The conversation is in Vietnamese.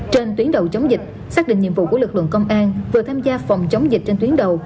trên tuyến đầu chống dịch xác định nhiệm vụ của lực lượng công an vừa tham gia phòng chống dịch trên tuyến đầu